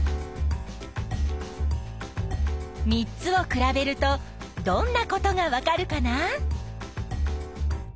３つを比べるとどんなことがわかるかな？